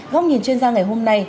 góc nhìn chuyên gia ngày hôm nay